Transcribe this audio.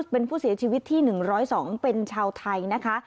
เป็นผู้เสียชีวิตที่๑๐๒เป็นชาวไทยนะคะ